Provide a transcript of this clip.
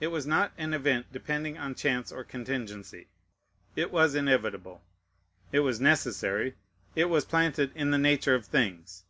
It was not an event depending on chance or contingency. It was inevitable; it was necessary; it was planted in the nature of things.